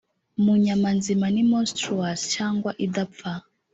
mu nyama nzima ni monstrous cyangwa idapfa,